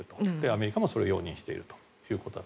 アメリカもそれを容認していると。